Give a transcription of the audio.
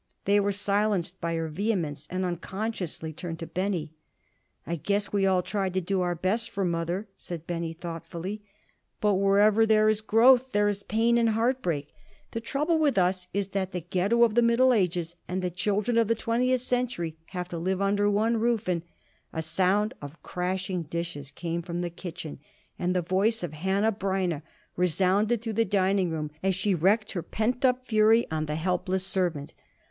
They were silenced by her vehemence, and unconsciously turned to Benny. "I guess we all tried to do our best for mother," said Benny, thoughtfully. "But wherever there is growth, there is pain and heartbreak. The trouble with us is that the Ghetto of the Middle Ages and the children of the twentieth century have to live under one roof, and " A sound of crashing dishes came from the kitchen, and the voice of Hanneh Breineh resounded through the dining room as she wreaked her pent up fury on the helpless servant.